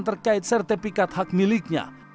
terkait sertifikat hak miliknya